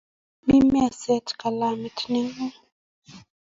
Mi meset kilamit ng'ung'